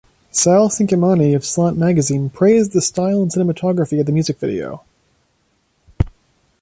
Sal Cinquemani of "Slant Magazine" praised the style and cinematography of the music video.